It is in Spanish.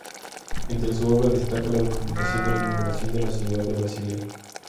Entre su obra destaca la documentación de la inauguración de la ciudad de Brasilia.